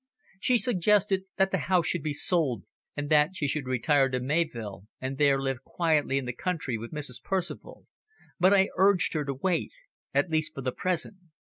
She suggested that the house should be sold and that she should retire to Mayvill and there live quietly in the country with Mrs. Percival, but I urged her to wait, at least for the present.